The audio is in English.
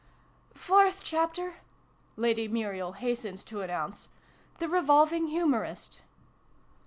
" Fourth Chapter !" Lady Muriel hastened to announce. "The Revolving H umorist